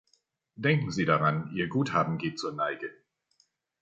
Denken Sie daran, Ihr Guthaben geht zur Neige.